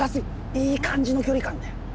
いい感じの距離感で。